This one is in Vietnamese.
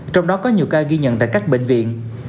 trong đó có nhiều ca ghi nhận tại các bệnh viện